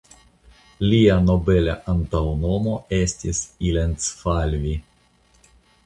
Lia nobela antaŭnomo estis "ilencfalvi".